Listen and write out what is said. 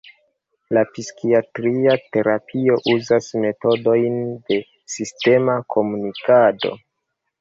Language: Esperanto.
La psikiatria terapio uzas metodojn de sistema komunikado.